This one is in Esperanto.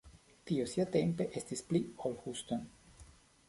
Tio siatempe estis pli ol Houston.